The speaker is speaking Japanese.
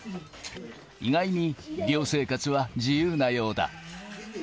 意外に寮生活は自由なようだ。